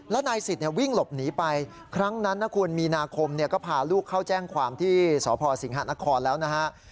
แล้วนายสิทธิ์วิ่งหลบหนีไปครั้งนั้นนะคุณมีนาคมก็พาลูกเข้าแจ้งความที่สพสิงหานครแล้วนะฮะ